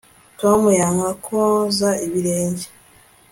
tom yanga koza ibirenge